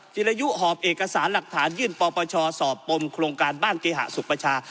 จิรยุหอบเอกสารหลักฐานยื่นปปชสอบปมโครงการบ้านเกหะสุขประชา